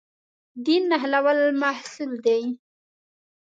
دین نښلولو محصول دی.